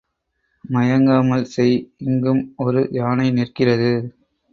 மயங்காமல் செய் இங்கும் ஒரு யானை நிற்கிறது.